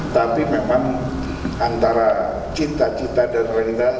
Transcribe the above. tapi memang antara cinta cinta dan rendah